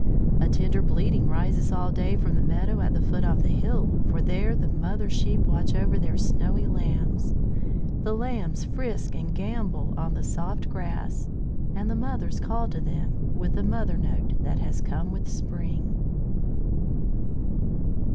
"A tender bleating rises all day from the meadow at the foot of the hill, for there the mother sheep watch over their snowy lambs. The lambs frisk and gambol on the soft grass, and the mothers call to them with the mother note that has come with the spring."